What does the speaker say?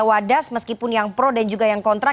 wadas meskipun yang pro dan juga yang kontra